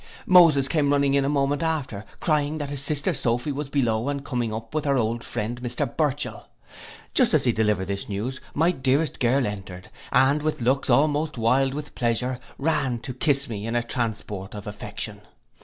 Moses came running in a moment after, crying out that his sister Sophy was below and coming up with our old friend Mr Burchell. Just as he delivered this news my dearest girl entered, and with looks almost wild with pleasure, ran to kiss me in a transport of affection.